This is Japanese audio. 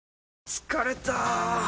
疲れた！